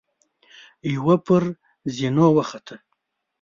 يوه پر زينو وخته.